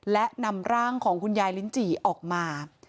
และนำร่างของคุณยายลิ้นจี่ออกมา